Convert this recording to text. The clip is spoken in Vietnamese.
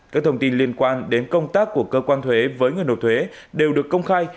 các thông tin liên quan đến công tác của cơ quan thuế với người nộp thuế đều được công khai